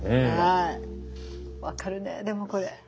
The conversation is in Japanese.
分かるねでもこれ。